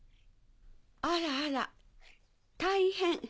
あらあら大変。